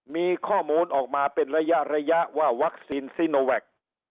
มีข้อมูลออกมาเป็นระยะระยะว่าวัคซีนซีโนแวค